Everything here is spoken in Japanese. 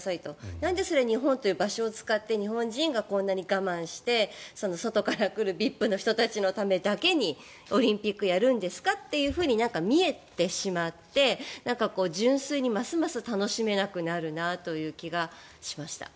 なんで日本という場所を使って日本人がこんなに我慢して外から来るＶＩＰの人たちのためだけにオリンピックをやるんですかというふうに見えてしまって純粋にますます楽しめなくなるなという気がしました。